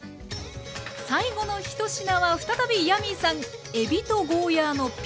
最後の１品は再びヤミーさん